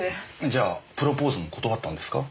じゃあプロポーズも断ったんですか？